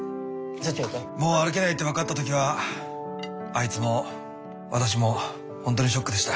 もう歩けないって分かった時はあいつも私もほんとにショックでした。